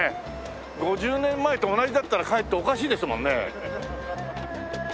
５０年前と同じだったらかえっておかしいですもんね。